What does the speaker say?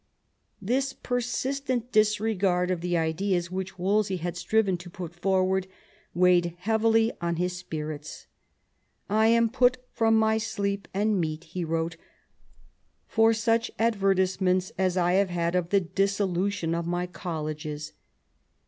This persistent disregard of the ideas which Wolsey had striven to put forward weighed heavily on his spirits. " I am put from my sleep and meat," he wrote, " for such advertisements as I have had of the dissolu tion gf my colleges."